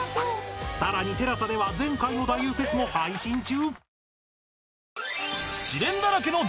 さらに ＴＥＬＡＳＡ では前回の太夫フェスを配信中